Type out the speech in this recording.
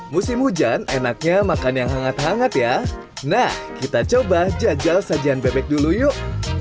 musim hujan enaknya makan yang hangat hangat ya nah kita coba jajal sajian bebek dulu yuk